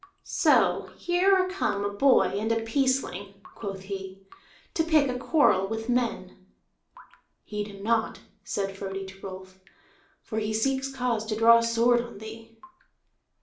"So here are come a boy and a peaceling," quoth he, "to pick a quarrel with men." "Heed him not," said Frodi to Rolf, "for he seeks cause to draw sword on thee."